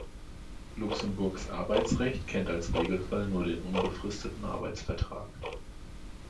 Luxemburgs Arbeitsrecht kennt als Regelfall nur den unbefristeten Arbeitsvertrag.